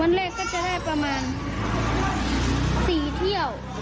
แรกก็จะได้ประมาณ๔เที่ยว